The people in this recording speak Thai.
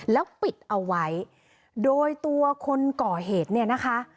แล้วปิดเอาไว้โดยตัวคนก่อเหตุเนี่ยนะคะ